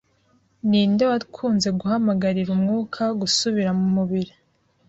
Ninde wakunze guhamagarira umwuka gusubira mumubiri